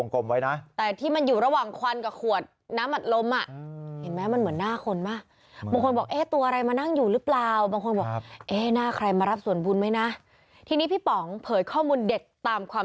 เขาบอกเหมือนเป็นหน้าคนดำนี่นะฮะ